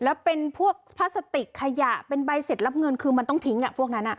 แล้วเป็นพวกพลาสติกขยะเป็นใบเสร็จรับเงินคือมันต้องทิ้งพวกนั้น